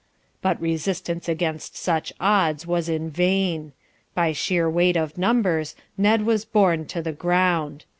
But resistance against such odds was vain. By sheer weight of numbers, Ned was borne to the ground.